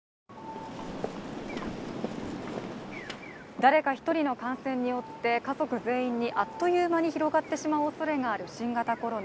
誰か１人の感染によって家族全員にあっという間に広がってしまうおそれがある、新型コロナ。